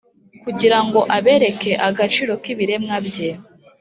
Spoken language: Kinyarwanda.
kugira ngo abereke agaciro k’ibiremwa bye,